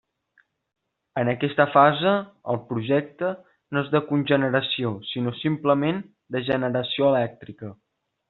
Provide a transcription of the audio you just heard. En aquesta fase, el Projecte no és de cogeneració, sinó simplement de generació elèctrica.